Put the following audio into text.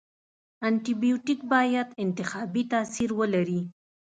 انټي بیوټیک باید انتخابي تاثیر ولري.